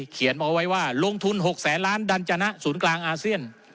เขียนเอาไว้ว่าลงทุน๖แสนล้านดัญจนะศูนย์กลางอาเซียน